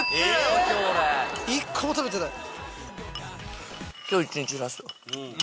一個も食べてない。